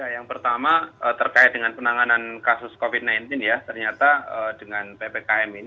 yang pertama terkait dengan penanganan kasus covid sembilan belas ya ternyata dengan ppkm ini